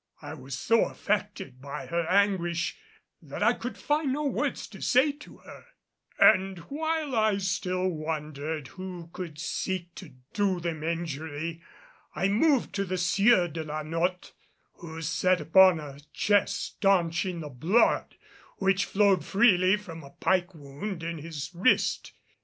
I was so affected by her anguish that I could find no words to say to her, and while I still wondered who could seek to do them injury, I moved to the Sieur de la Notte, who sat upon a chest staunching the blood which flowed freely from a pike wound in his wrist.